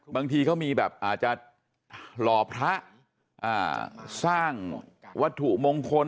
บางทีเขามีแบบอาจจะหล่อพระสร้างวัตถุมงคล